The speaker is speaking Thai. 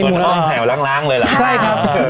หมูทองแถวล้างเลยเหรอ